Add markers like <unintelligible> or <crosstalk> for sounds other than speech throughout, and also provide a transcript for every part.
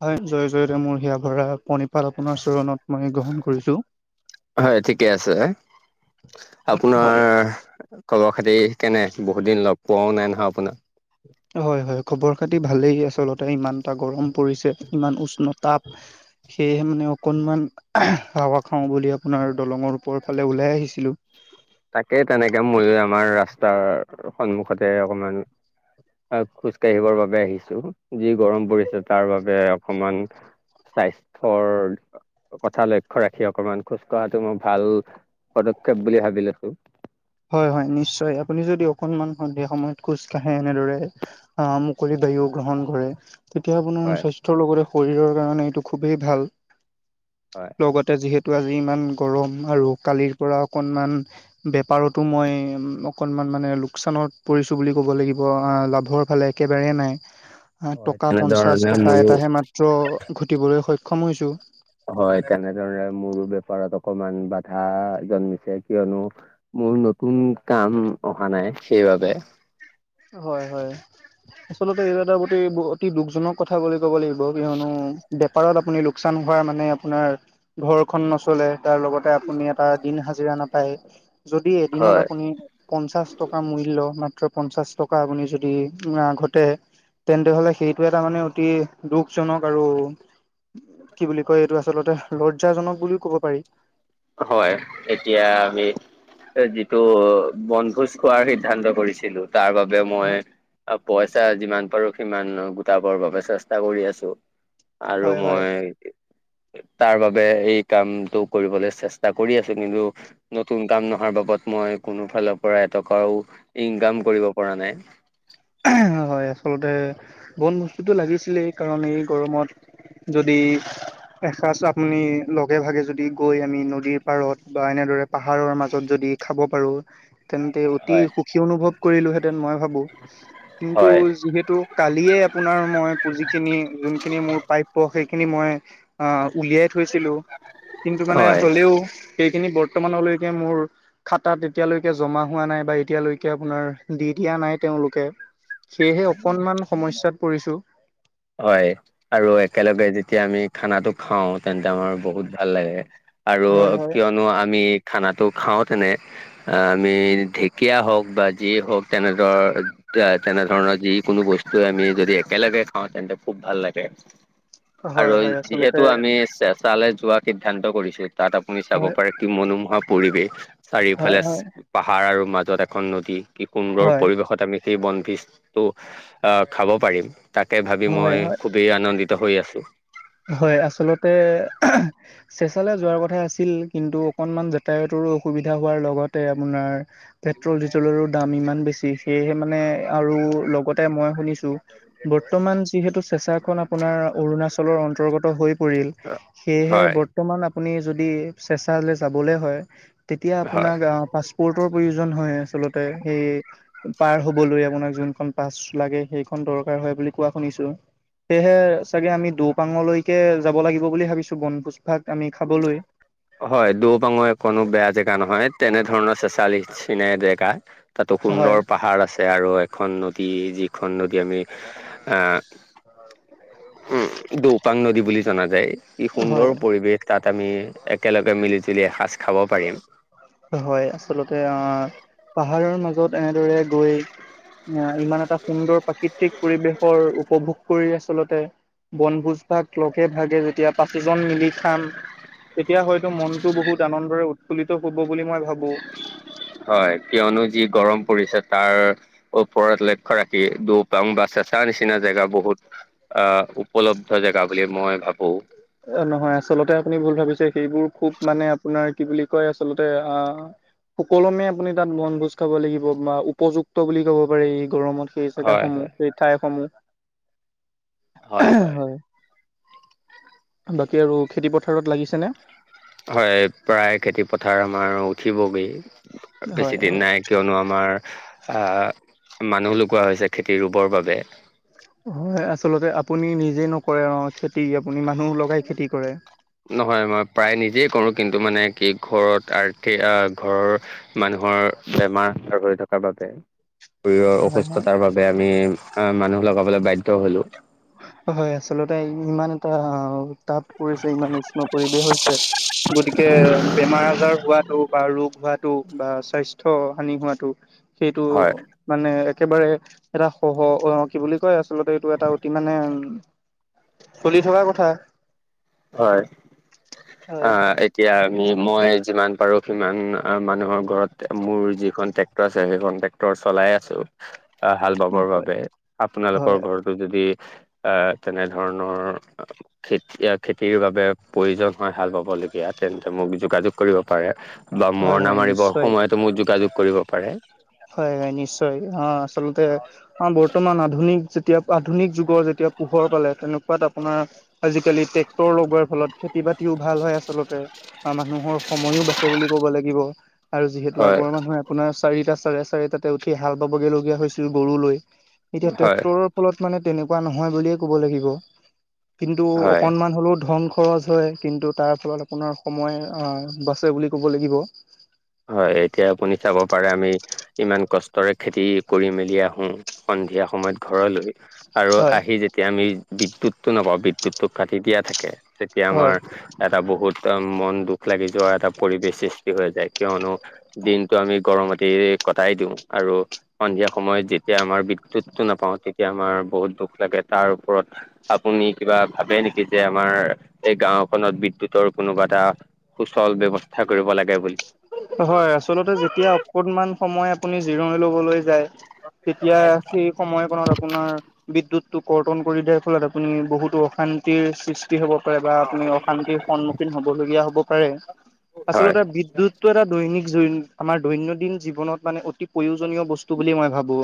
হয়, জয় জয়তে মোৰ হিয়া ভৰা প্ৰনি তাত আপোনাৰ চৰণত মই গ্ৰহণ কৰিছো। হয় ঠিকে আছে হয়। আপোনাৰ খবৰ - খাতি কেনে? বহুত দিন লগ পোৱাও নাই নহয় আপোনাক? হয়', হয়', খবৰ খাতি ভালেই আচলতে ইমানটা গৰম পৰিছে ইমান উষ্ণ তাপ সেয়েহে মানে অকণমান হাৱা খাওঁ বুলি আপোনাৰ দলঙৰ ওপৰৰ ফালে ওলাই আহিছিলো। তাকেই তেনেকে ময়ো আমাৰ ৰাস্তাৰ সন্মুখতে অকমান <unintelligible> খোজ কাঢ়িবৰ বাবে আহিছো যি গৰম পৰিছে তাৰ বাবে অকমান স্বাস্থ্যৰ কথা লক্ষ্য ৰাখি অকমান খোজ কাঢ়াটো মোৰ ভাল পদক্ষেপ বুলি ভাবি লৈছো। হয়- হয় নিশ্চয় আপুনি যদি অকনমান সন্ধিয়া সময়ত খোজ কাঢ়ে এনেদৰে আহ মুকলি এইয় গ্ৰহণ কৰে তেতিয়া আপোনাৰ হয় স্বাস্থ্যৰ লগতে শৰীৰৰ কাৰণে এইটো খুবেই ভাল হয় লগতে যিহেতু টো আজি ইমান গৰম আৰু কালিৰ পৰা অকণমান বেপাৰত তো মই অকণমান মানে লোকচানত পৰিছোঁ বুলি ক'ব লাগিব লাভৰ ফালে একেবাৰেই নাই। হয় টকা পঞ্চাশ তেনেধৰণে টকা মোৰো এটাহে মাত্ৰ ঘটিবলৈ সক্ষম হৈছো। হয়, তেনেদৰে মোৰো বেপাৰত অকমান বাধা জন্মিছে কিয়নো মোৰ নতুন কাম অহা নাই সেইবাবে। হয়- হয় আচলতে এয় এটা অতি -অতি দুখজনক কথা বুলি ক'ব লাগিব কিয়নো বেপাৰত আপুনি লোকচান হোৱা মানে আপোনাৰ ঘৰখন নচলে। তাৰ লগতে আপুনি এটা দিন হাজিৰা নাপায় যদি এদিনত হয় আপুনি পঞ্চাছ টকা মাত্ৰ পঞ্চাছ টকা আপুনি যদি আগতে তেন্তে হলে সেইটো এটা মানে অতি দুখজনক আৰু কি বুলি কয় এইটো আচলতে লজ্জাজনক বুলিও কব পাৰি। হয় এতিয়া আমি যিটো বনভোজ খোৱাৰ সিদ্ধান্ত কৰিছিলোঁ। তাৰ বাবে মই হয় পইচা যিমান পাৰোঁ সিমান গোটাবৰ বাবে চেষ্টা কৰি আছোঁ আৰু হয় মই তাৰ বাবে এই কামতটো কৰিবলৈ ‍চেষ্টা কৰি আছে কিন্তু নতুন কাম নহৰ বাবদ মই কোনো ফালৰ পৰা এটকাও ইন কাম কৰিব পৰা নাই। হয়, আচলতে বন বস্তুটো লাগিছিলেই কাৰণ এই গৰমত যদি এসাঁজ আপুনি লগে ভাগে যদি গৈ আমি নদীৰ পাৰত বা এনেদৰে পাহাৰৰ মাজত যদি খাব পাৰো তেন্তে অতি হয় সুখী অনুভৱ কৰিলোহেঁতেন মই ভাবোঁ। কিন্তু হয় যিহেতু কালিয়ে আপোনাৰ মই পুঁজি খিনি যোনখিনি মোৰ প্ৰাপ্য সেইখিনি মই আহ উলিয়াই থৈছিলো কিন্তু মানে হয় হ'লেও এইখিনি বৰ্তমানলৈকে মোৰ খাতাত এতিয়ালৈকে জমা হোৱা নাই বা এতিয়ালৈকে আপোনাৰ দি দিয়া নাই তেওঁলোকে সেয়েহে অকনমান সমস্যাত পৰিছোঁ। হয় আৰু একেলগে যেতিয়া আমি খানাটো খাও তেন্তে আমাৰ বহুত ভাল লাগে আৰু হয় হয় কিয়নো আমি খানাটো খাওঁতেনে আমি ঢেকীয়া হওক বা যি হওক তেনেদৰ এ তেনে ধৰণৰ যিকোনো বস্তু আমি যদি একেলগে খাওঁ তেন্তে খুব ভাল লাগে। হয় আৰু হয় আচলতে যিহেতু আমি তালৈ যোৱা সিদ্ধান্ত কৰিছোঁ তাত আপুনি চাব হয় পাৰে কি মনোমোহা পৰিৱেশ হয় চাৰিওফালে হয় পাহাৰ আৰু মাজত এখন নদী কি সুন্দৰৰ হয় পৰিৱেশত আমি সেই বনফিজটো খাব পাৰিম তাকে ভাবি হয় মই হয় খুবেই আনন্দিত হৈ আছোঁ। চেঁচালে যোৱাৰ কথা আছিল কিন্তু অকনমান যাতায়তৰো অসুবিধা হোৱাৰ লগতে আপোনাৰ পেট্ৰল ডিজেলৰো দাম ইমান বেছি সেয়েহে মানে আৰু লগতে মই শুনিছোঁ বৰ্তমান যিহেতু চেচাখনন আপোনাৰ অৰুণাচল অঞ্চলৰ অৰ্ন্তগত হৈ পৰিল, সেয়েহে হয় বৰ্তমান আপুনি যদি চেঁচালে যাবলৈ হয় তেতিয়া হয় আপোনাক পাছপৰ্টৰ প্ৰয়োজন হয় আছে আচলতে সেই পাৰ হ'বলৈ আপোনাক যোন- খন পাছ লাগে সেইখন দৰকাৰ হয় বুলি কোৱা শুনিছোঁ সেয়েহে চাগে আমি দুপ- পাঙলৈকে যাব লাগিব বুলি ভাবিছোঁ বন পু- হয় দৌবাঙৰ এক কোনো বেয়া জেগা নহয়- তেনেধৰণৰ চেচালি চনে জেকা- তাতো হয় সুন্দৰ পাহাৰ আছে আৰু এখন নদী যি- এখন নদী আমি আহ উম দৌপাং নদী বুলি জনা যায় - যায় ই হয় সুন্দৰ পৰিৱেশ তাত আমি একেলগে মিলি জুলি এসাজ খাব পাৰিম- হয় আচলতে আহ পাহাৰৰ মাজত এনেদৰে গৈ- আহ ইমান এটা সুন্দৰ প্ৰাকৃতিক পৰিৱেশৰ উপভোগ কৰি আচলতে- বনভোজ ভাগ লগে ভাগে যে- এতিয়া পাচিজন মিলি খাম তেতিয়া হয়তো মনতো বহুত আনন্দৰে উৎফুল্লিত- ক'ব বুলি মই ভাবোঁ- হয় কিয়নো যি - গৰম পৰিছে তাৰ ওপৰত লক্ষ্য ৰাখি দুপাং বা চে- চা নিচিনা জেগা বহুত আহ উপলব্ধ জেগা বুলি মই ভাবোঁ - অ নহয় আচলতে আপুনি ভুল ভাবিছে সেইবোৰ খুব মানে আপোনাৰ কি বুলি কয় আচলতে আ- সুকলমে আপুনি তাত বনভোজ খাব লাগিব বা উপযুক্ত বুলি ক'ব পাৰি। গৰমত সেই জেগা হয়, সমূহ হয়, সেই ঠাইসমূহ। হয় হয়। বাকী আৰু খেতি পথাৰত লাগিছেনে। হয় প্ৰায় খেতি পথাৰ আমাৰ উঠিবগৈ। হয় বেছি দিন হয়। নাই কিয়নো আমাৰ। আ মানুহ লগুকোৱা হৈছে খেতি ৰুবৰ বাবে। হয় আচলতে আপুনি নিজে নকৰে খেতি আপুনি মা। নহয় মই প্ৰায় নিজে কৰো কিন্তু টো এইটো মানে কি ঘৰত আৰ্থিক ঘৰৰ মানুহৰ বেমাৰ আজাৰ হৈ থকাৰ বাবে <inaudible> শৰীৰৰ হয় হয়। অসুস্থতাৰ বাবে আমি আহ মানুহ লগাবলৈ বাধ্য হলো হয় আচলতে ইমান এটা তাপ পৰিছে ইমান উষ্ণ পৰিৱেশ হৈছে গতিকে বেমাৰ আজাৰ হোৱাাটো বা ৰোগ হোৱাটো বা সাইথ স্বাস্থ্য হানি হোৱাটো সেইটো হয় মানে একেবাৰে এটা সহ আহ কি বুলি কয় আচলতে এইটো এটা অতি মানে উ চলি থকা কথা হয় অ হয় এতিয়া। মই যিমান পাৰো সিমান মানুহৰ ঘৰত মোৰ যিখন ট্ৰেক্টৰ আছে সেইখন টেক্ট। টৰ চলাই আছো হাল বাবৰ হয় বাবে আপোনালোকৰ হয় ঘৰতো যদি। আহ তেনে ধৰণৰ খেতিয়। খেতিৰ বাবে প্ৰয়োজন হয় হাল বাবলগীয়া তেন্তে মোক যোগাযোগ কৰিব পাৰে। বা হয় মৰণা হয় মাৰিবৰ নিশ্চয় সময়তো মোক যোগাযোগ কৰিব পাৰে। অ আচলতে অ বৰ্তমান আধুনিক। যেতিয়া আধুনিক যুগৰ যেতিয়া পোহৰ পালে তেনেকুৱাত আপোনাৰ আজিকালি ট্ৰেক্টৰ লগোৱাৰ ফলত খেতি বাতিও ভাল হয় আচলতে মানুহৰ সময়ও বাচে বুলি ক'ব লাগিব। আৰু যিহেতু হয় আগৰ মানুহে আপোনাৰ চাৰিটা চাৰে চাৰিটাতে উঠি হাল বাবগৈ লগগীয়া হৈছিল গৰু লৈ। এতিয়া হয় ট্ৰেক্টৰৰ ফলত মানে তেনেকুৱা নহয় বুলিয়ে কব লাগিব। কিন্তু হয় অকনমান হ'লেও ধন। খৰচ হয় কিন্তু তাৰ ফলত আপোনাৰ সময় বাচে বুলি ক'ব লাগিব। হয় এতিয়া আপুনি চাব পাৰে আমি ইমান কষ্টৰে খেতি কৰি মেলি আহো। সন্ধিয়া সময়ত ঘৰলৈ। আৰু হয় আহি যেতিয়া আমি বিদ্যুটটো নাপাওঁ বিদ্যুৎ টো কাটি দিয়া থাকে। তেতিয়া হয় আমাৰ এটা বহুত মন দুখ লাগি যোৱা এটা পৰিবেশ সৃষ্টি হৈ যায় কিয়নো দিনতটো আমি গৰমতে কটাই দিওঁ আৰু সন্ধিয়া সময়ত যেতিয়া আমাৰ। বিদ্যুৎ টো নাপাও তেতিয়া আমাৰ। বহুত দুখ লাগে তাৰ ওপৰত আপুনি কিবা ভাবে নেকি যে আমাৰ এই গাঁওখনত। বিদ্যুৎ তৰ কোনোবা এটা সুচল বিবস্থা কৰিব লাগে বুলি। হয় আচলতে যেতিয়া অকনমান সময় আপুনি জিৰণি লবলৈ। যায় তেতিয়া সেই সময়কনত আপোনাৰ বিদ্যুৎ। টো কৰ্তন কৰি দিয়াৰ ফলত আপুনি বহুতো অশান্তিৰ সৃষ্টি হব পাৰে বা আপুনি অশান্তিৰ সন্মুখীন হবলগীয়া হ'ব পাৰে হয় আচলতে বিদ্যুৎ টা দৈনিক জ আমাৰ দৈনন্দিন জীৱনত মানে অতি প্ৰয়োজনীয় বস্তু বুলি মই ভাবো।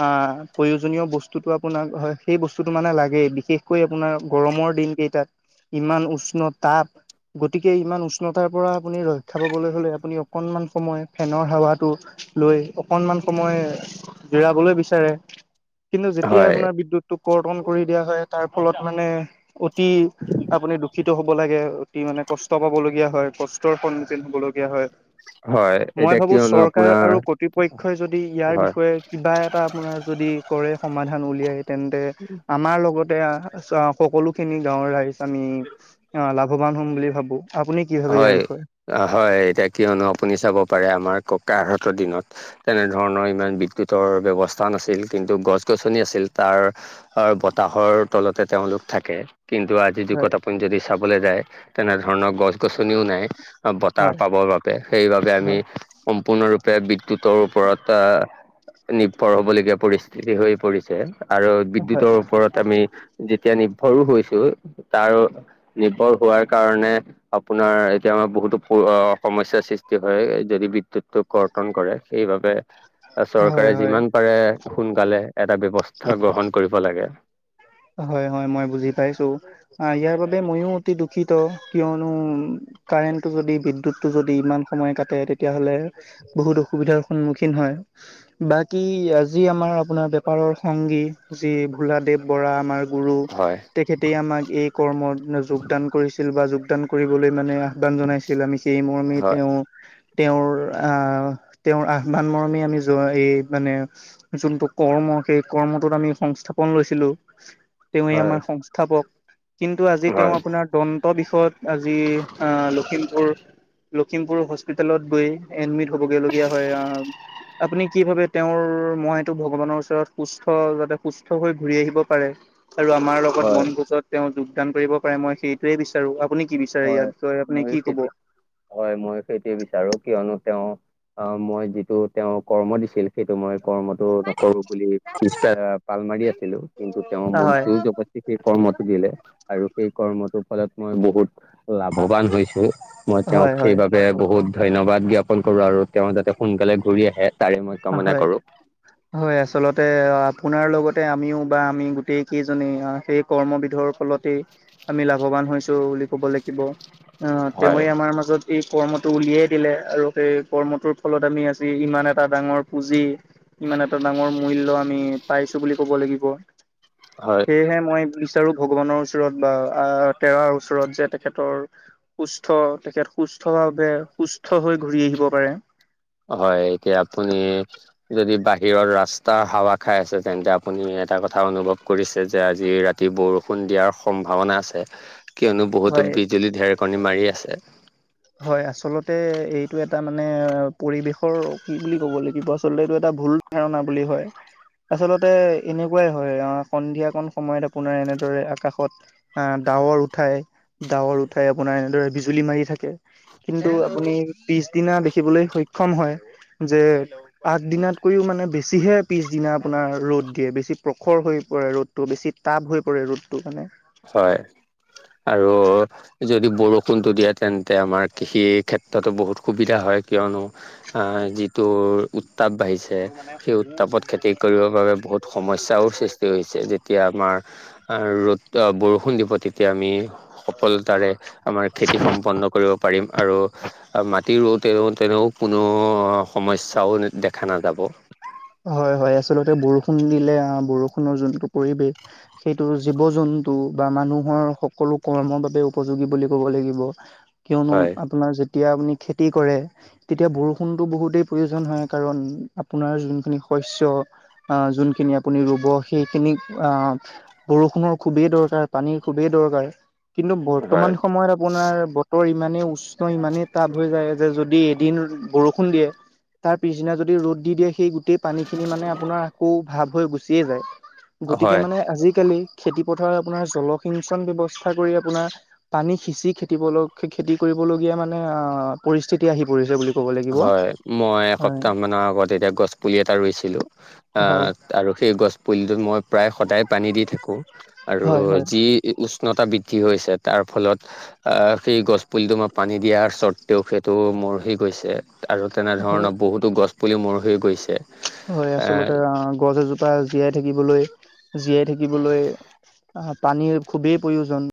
হা প্ৰয়োজনীয় বস্তুটো আপোনাক হয় সেই বস্তুটো মানে লাগেই বিশেষকৈ আপোনাৰ গৰমৰ দিন। কেই তাত ইমান উষ্ণতাপ গতিকে ইমান উষ্ণতাৰ পৰা আপুনি ৰক্ষা পাবলৈ হলে আপুনি অকনমান সময় ফেনৰ হাৱাটো লৈ অকনমান সময় জোৰাবলৈ বিচাৰে। কিন্তু যেতিয়াই হয় আপোনাৰ বিদ্যুৎ টো কৰ্তন কৰি দিয়া হয় তাৰ ফলত মানে। অতি আপুনি দূখিত হ'ব লাগে। অতি মানে কষ্ট পাবলগীয়া হয় কষ্টৰ সন্মুখীন হ'বলগীয়া হয়। হয়। মই এতিয়া ভাবো কিয়নো চৰকাৰ আপোনাৰ আৰু কৰ্তৃপক্ষই যদি ইয়াৰ হয় বিষয়ে কিবা এটা আপোনাৰ যদি কৰে সমাধ ধান উলিয়াই তেন্তে আমাৰ লগতে সকলো খিনি গাঁৱৰ ৰাইজ আমি অ লাভৱান হম বুলি ভাবো। আপুনি কি ভাবে ইয়াৰ হয় বিষয়ে হয় এতিয়া কিয়নো আপুনি চাব পাৰে আমাৰ ককাহঁতৰ দিনত তেনেধৰণৰ ইমান বিদ্যুতৰ ব্যৱস্থা নাছিল কিন্তু গছ গছনি আছিল তাৰ অ বতাহৰ তলতে তেওঁলোক থাকে। কিন্তু আজিৰ হয় যুগত আপুনি যদি চাবলৈ যায় তেনেধৰণৰ গছ গছনিও নাই বতাহ হয় পাবৰ বাবে সেইবাবে আমি হয় সম্পূৰ্ণৰূপে বি দ্যুতৰ ওপৰত নিৰ্ভৰ হবলগীয়া পৰিস্থিতি হৈ পৰিছে। আৰু হয় বিদ্যুৎৰ ওপৰত আমি যেতিয়া নি সৰু হৈছো তাৰ নিৰ্ভৰ হোৱাৰ কাৰণে আপোনাৰ এতিয়া আ বহুতো সমস্যাৰ সৃষ্টি হয় যদি বিদ্যুৎটো কৰ্তন কৰে সেইবাবে হয় চৰকাৰে হয় যিমান পাৰে সোনকালে এটা ব্যবস্থা গ্ৰহণ কৰিব লাগে। হয় ত ময়ো অতি দুখিত কিয়নো কাৰেণ্টটো যদি বিদ্যুৎটো যদি ইমান সময় কাটে। তেতিয়াাহলে বহুত অসুবিধাৰ সন্মুখীন হয় বাকি আজি আমাৰ আপোনাৰ পাৰৰ সংগী যি ভোলাদেৱ বৰা আমাৰ গুৰু হয় তেখেতে আমাক এই কৰ্মত যোগদান কৰিছিল বা যো যদান কৰিবলৈ মানে আহ্বান জনাইছিল আমি সেই মৰ্মে হয় তেওঁ তেওঁৰ আহ তেওঁৰ আহ্বান মৰমে আমি যোৱা এই মানে যোনটো কৰ্ম সেই কৰ্মটোত আমি সংস্থাপন লৈছিলো, তেৱে আমাৰ সংস্থাপক। কিন্তু আজি তেওঁ হয় আপোনাৰ দন্ত বিষয়ত আজি আহ লখিমপুৰ লখিমপুৰ হস্পিতেলত গৈ এডমিট হবগৈ লগীয়া হয় আহ। আপুনি কি ভাবে তেওঁৰ মইটো ভগৱানৰ ওচৰত সুস্থ যাতে সুস্থ হৈ ঘূৰি আহিব পাৰে আৰু আমাৰ লগত মন হয় গ্ৰুপত যোগান কৰিব পাৰে মই সেইটোৱেই বিচাৰো। আপুনি কি বিচাৰে ইয়াৰ হয় বিষয়ে আপুনি মই কি কব? সেইটো হয় মই সেইটোৱে বিচাৰো কিয়নো তেওঁ অহ মই যিটো তেওঁক কৰ্ম দিছিল সেইটো মই কৰ্মটো নকৰো বুলি পিচা পাল মাৰি আছিলো কিন্তু তেওঁৰ হয় মখটো জগত সেই কৰ্ম দিলে আৰু সেই কৰ্মটোৰ ফলত মই বহুত লাভৱান হৈছো, মই তেওঁক হয় হয় সেইবাবে বহুত ধন্যবাদ জ্ঞাপন কৰোঁ আৰু তেওঁ যাতে সোনকালে ঘূৰি আহে তাৰে মই কামনা হয় কৰো হয় আচলতে আপোনাৰ লগত লগতে আমিও বা আমি গোটেইকেইজনেই সেই কৰ্মবিধৰ ফলতে আমি লাভৱান হৈছো বুলি ক'ব লাগিব। আহ হয় তেওঁৱে আমাৰ মাজত এই কৰ্মটো উলিয়াই দিলে আৰু সেই কৰ্মটোৰ ফলত আমি আজি ইমান এটা ডাঙৰ পুঁজি ইমান এটা ডাঙৰ মূল্য আমি পাইছো বুলি ক'ব লাগিব। হয় সেয়হে মই বিছ চাৰো ভগৱানৰ ওচৰত বা তেৰাৰ ওচৰত যে তেখেতৰ সুস্থ তেখেত সুস্থ সুস্থভাৱে সুস্থ হৈ ঘূৰি আহিব পাৰে। হয় এতিয়া আপুনি যদি বাহিৰত ৰাস্তা হাৱা খাই আছে তেন্তে আপুনি এটা কথা অনুভৱ কৰিছে যে আজি ৰাতি বৰষুণ দিয়াৰ সম্ভাৱনা আছে কিয়নো বহুতো হয় বিজুলী ঢেৰকণী মাৰি আছে। হয় আচলতে এইটো এটা মানে অ পৰিবেশৰ কি বুলি ক'ব লাগিব আচলতে এইটো এটা ভুল ধাৰণা বুলি হয়। আচলতে এনেকুৱাই হয় আহ সন্ধিয়াকন সময়ত আপোনাৰ এনেদৰে আকাশত আহ ডাৱৰ উঠাই ডাৱৰ উঠাই আপোনাৰ এনেদৰে বিজুলী মাৰি থাকে। কিন্তু আপুনি পিছদিনা দেখিবলৈ সক্ষম হয়। যে আঠ দিনাতকৈও মানে বেছিহে পিছদিনা আপোনাৰ ৰ'দ দিয়ে বেছি প্ৰখৰ হৈ ৰ'দটো বেছি টাব হৈ পৰে ৰ'দ টো মানে। হয় আৰু যদি বৰষুণটো দিয়ে তেন্তে আমাৰ কৃষিৰ ক্ষেত্ৰতো বহুত সুবিধা হয় কিয়নো। আ যিটো- উত্তাপ বাঢ়িছে সেই উত্তাপত খেতি কৰিবৰ বাবে বহুত সমস্যাও সৃষ্টি হৈছে যেতিয়া আমাৰ- আৰু ৰ'দ- বৰষুণ দিব তেতিয়া আমি সফলতাৰে আমাৰ খেতি সম্পন্ন কৰিব পাৰিম আৰু- অ মাটি ৰ'দ- তে তেনে কোনো সমস্যাও দেখা নাযাব। হয় হয় আচলতে বৰষুণ দিলে বৰষুণৰ যোনটো পৰিৱেশ সেইটো জীৱ জন্তু বা মানুহ- সকলো কৰ্মৰ বাবে উপযোগী বুলি ক'ব লাগিব। কিয়নো হয় আপোনাৰ যেতিয়া আপুনি খেতি কৰে তেতিয়া বৰষুণটো বহুতেই প্ৰয়োজন হয়। কাৰণ আপোনাৰ যোনখিনি শস্য আ যোনখিনি আপুনি ৰুব সেইখিনিক আ বৰষুণৰ খুবেই দৰকাৰ পানীৰ খুবেই দৰকাৰ। কিন্তু বৰ্তমান হয় সময়ত আপোনাৰ বতৰ ইমানেই উষ্ণ ইমানেই টাপ হৈ যায়। যে যদি এদিন বৰষুণ দিয়ে তাৰ পিছদিনা যদি ৰ'দ দি দিয়ে। সেই গোটেই পানী খিনি মানে আপোনাৰ আকৌ ভাৱ হৈ গুচিয়ে যায় গতিকে হয় মানে আজিকালি খেতি পথাৰত আপোনাৰ জলসিঞ্চন ব্যৱস্থা কৰি আপোনাৰ পানী সিচি খেতি বলক খেতি কৰিব। কৰিবলগীয়া মানে অ পৰিস্থিতি আহি পৰিছে বুলি ক'ব লাগিব। হয় মই এসপ হয় তাৰমানৰ আগত এতিয়া গছ পুলি এটা ৰুইছিলো হয় আৰু আ সেই গছপুলিটো মই- প্ৰায় সদায় পানী দি থাকো। আৰু হয় হয় যি উষ্ণতা বৃদ্ধি হৈছে তাৰ ফলত আ সেই গছ পুলিটো মই পানী দিয়াৰ স্বত্ত্বেও সেইটো মৰহি- গৈছে আৰু হয় তেনেধৰণৰ বহুতো গছ পুলি মৰহি গৈছে। হয় এ আচলতে অ গছ এজোপা জীয়াই থাকিবলৈ। জীয়াই থাকিবলৈ আহ পানীৰ খুবেই প্ৰয়োজন।